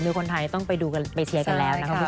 มีคนไทยต้องไปดูกันไปเชียร์กันแล้วนะครับคุณผู้ชม